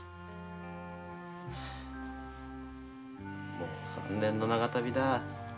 もう３年の長旅だ。